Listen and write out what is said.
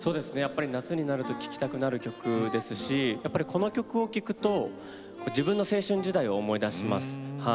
夏になると聴きたくなる曲ですしこの曲を聴くと自分の青春時代を思い出します。